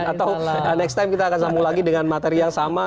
atau next time kita akan sambung lagi dengan materi yang sama